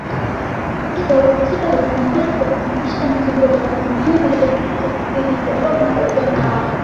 wakiwavutia watazamaji kwa kuonyesha mitindo ya majivuno waliyojifunza kipindi cha ngoma za ujana wao